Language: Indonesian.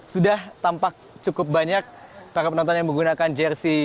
sudah tampak cukup banyak para penonton yang menggunakan jersi